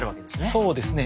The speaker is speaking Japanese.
そうですね。